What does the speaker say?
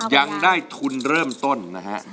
ยังได้ทุนเริ่มต้นนะฮะ